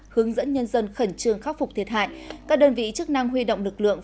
hướng dẫn nhân dân khẩn trương khắc phục thiệt hại các đơn vị chức năng huy động lực lượng